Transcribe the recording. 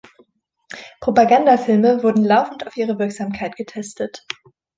Propagandafilme wurden laufend auf ihre Wirksamkeit getestet.